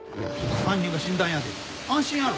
犯人が死んだんやで安心やろ。